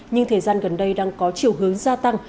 nhưng thời gian gần đây đang có chiều hướng gia tăng